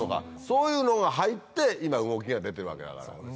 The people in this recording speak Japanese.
そういうのが入って今動きが出てるわけだからね。